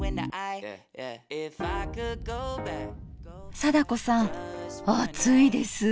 貞子さん暑いです！